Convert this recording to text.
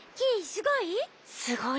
すごいね。